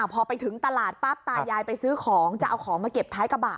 พอไปถึงตลาดปั๊บตายายไปซื้อของจะเอาของมาเก็บท้ายกระบะ